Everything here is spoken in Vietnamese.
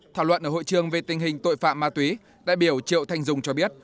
thảo luận ở hội trường về tình hình tội phạm ma túy đại biểu triệu thanh dung cho biết